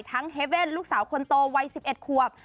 เฮเว่นลูกสาวคนโตวัย๑๑ควบ